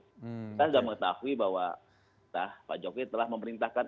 kita sudah mengetahui bahwa pak jokowi telah memerintahkan